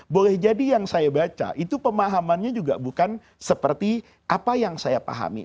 boleh jadi yang saya baca itu pemahamannya juga bukan seperti apa yang saya pahami